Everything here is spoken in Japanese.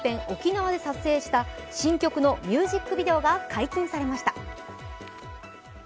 沖縄で撮影した新曲のミュージックビデオが解禁されました。